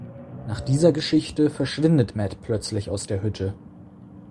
Nach dieser Geschichte verschwindet Matt plötzlich aus der Hütte.